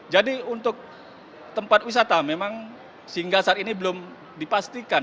jadi untuk tempat wisata memang sehingga saat ini belum dipastikan